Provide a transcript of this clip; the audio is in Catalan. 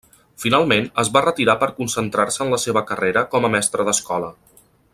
Finalment, es va retirar per concentrar-se en la seva carrera com a mestre d'escola.